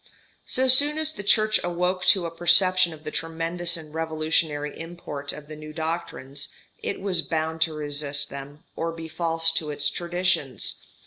So soon as the Church awoke to a perception of the tremendous and revolutionary import of the new doctrines, it was bound to resist them or be false to its traditions.